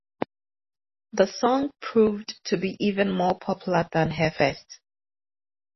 The song proved to be even more popular than her first.